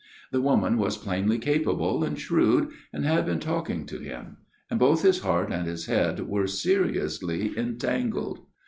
The woman was plainly capable and shrewd and had been talking to him, and both his heart and his head were seriously entangled.